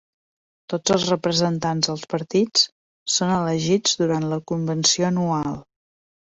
Tots els representants dels partits són elegits durant la convenció anual.